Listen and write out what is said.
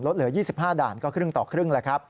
ลดเหลือ๒๕ด่านก็ครึ่งต่อครึ่ง